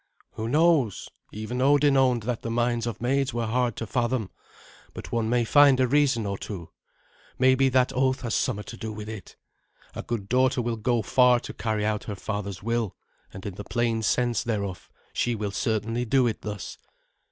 "Who knows? Even Odin owned that the minds of maids were hard to fathom. But one may find a reason or two. Maybe that oath has somewhat to do with it. A good daughter will go far to carry out her father's will, and, in the plain sense thereof, she will certainly do it thus.